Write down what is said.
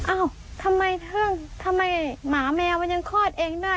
อ้าวทำไมเธอทำไมหมาแมวยังคลอดเองได้